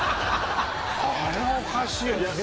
あれはおかしい。